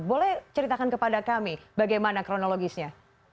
boleh ceritakan kepada kami bagaimana kronologisnya